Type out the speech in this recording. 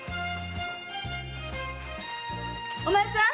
お前さん！